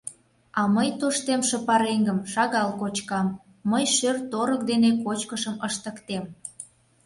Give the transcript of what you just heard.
А мый тоштемше пареҥгым шагал кочкам, мый шӧр-торык дене кочкышым ыштыктем.